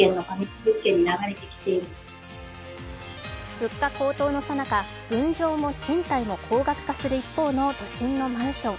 物価高騰のさなか、分譲も賃貸も高額化する一方の都心のマンション。